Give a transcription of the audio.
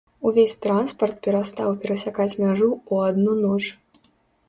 Увесь транспарт перастаў перасякаць мяжу ў адну ноч.